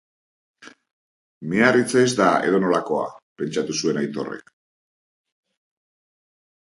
Miarritze ez da edonolakoa! Pentsatu zuen Aitorrek.